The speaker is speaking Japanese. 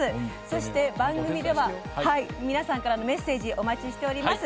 そして、番組では皆さんからのメッセージお待ちしております。